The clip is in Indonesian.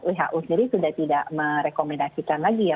who sendiri sudah tidak merekomendasikan lagi ya